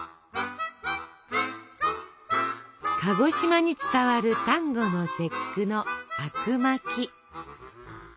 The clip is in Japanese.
鹿児島に伝わる端午の節句のあくまき。